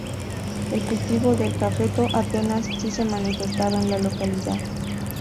El cultivo del cafeto apenas si se manifestaba en la localidad.